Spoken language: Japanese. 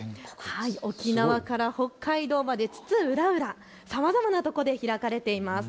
沖縄から北海道まで津々浦々、さまざまなところで開かれています。